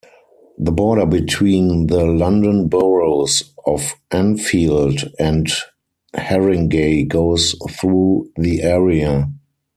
The border between the London boroughs of Enfield and Haringey goes through the area.